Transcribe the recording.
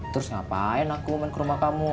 terus ngapain aku main ke rumah kamu